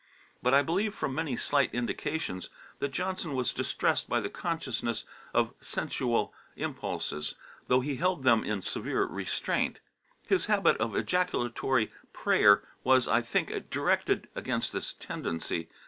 But I believe, from many slight indications, that Johnson was distressed by the consciousness of sensual impulses, though he held them in severe restraint. His habit of ejaculatory prayer was, I think, directed against this tendency.